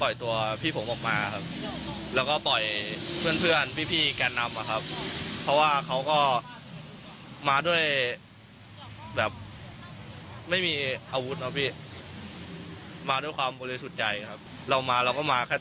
เช่นเดียวกับผู้ร่วมชมนุมอีก๒อัน